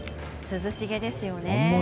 涼しげですよね。